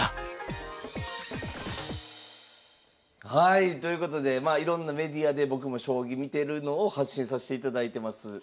はいということでいろんなメディアで僕も将棋見てるのを発信さしていただいてます。